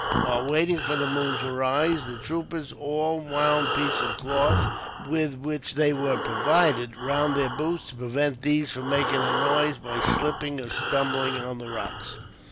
While waiting for the moon to rise, the troopers all wound pieces of cloth, with which they had come provided, round their boots, to prevent these from making a noise, by slipping or stumbling on the rocks.